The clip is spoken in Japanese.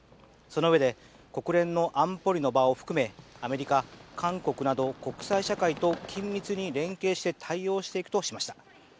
そのうえで国連の安保理の場を含めアメリカ、韓国など国際社会と緊密に連携して対応していくとしました。